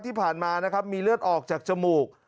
ที่ผ่านมานะครับมีเลือดออกจากจมูก